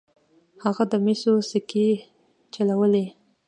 هغه د مسو سکې چلولې.